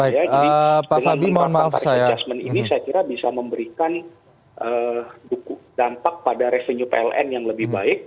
jadi dengan tarif adjustment ini saya kira bisa memberikan dampak pada revenue pln yang lebih baik